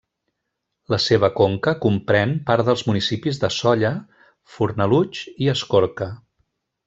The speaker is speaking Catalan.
La seva conca comprèn part dels municipis de Sóller, Fornalutx i Escorca.